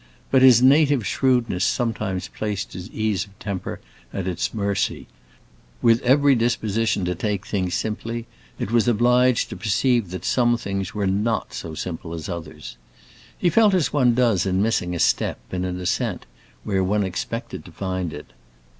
But his native shrewdness sometimes placed his ease of temper at its mercy; with every disposition to take things simply, it was obliged to perceive that some things were not so simple as others. He felt as one does in missing a step, in an ascent, where one expected to find it.